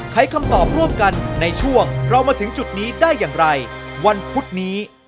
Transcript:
ใช้คำตอบร่วมกันในช่วงเรามาถึงจุดนี้ได้อย่างไรวันพุธนี้